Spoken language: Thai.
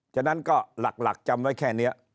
จำนั้นหลักหลักจำไว้แค่เนี้ย